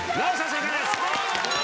正解です！